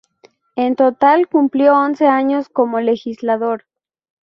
En total, cumplió once años como legislador.